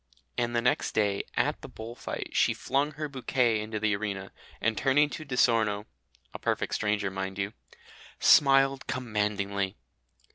And the next day at the bull fight she "flung her bouquet into the arena, and turning to Di Sorno" a perfect stranger, mind you "smiled commandingly."